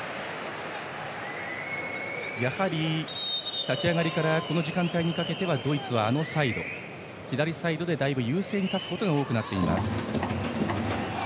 やはり立ち上がりからこの時間帯にかけてはドイツは左サイドでだいぶ優勢に立つことが多くなっています。